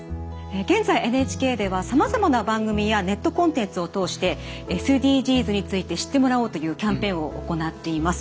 現在ＮＨＫではさまざまな番組やネットコンテンツを通してＳＤＧｓについて知ってもらおうというキャンペーンを行っています。